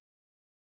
tidak ada waktu